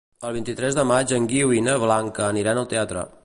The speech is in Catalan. El vint-i-tres de maig en Guiu i na Blanca aniran al teatre.